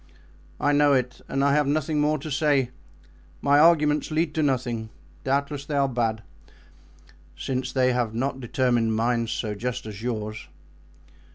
"I know it and I have nothing more to say; my arguments lead to nothing; doubtless they are bad, since they have not determined minds so just as yours."